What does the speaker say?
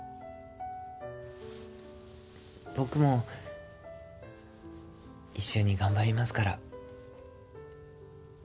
僕も一緒に頑張りますから。